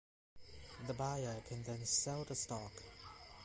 The buyer can then sell the stock.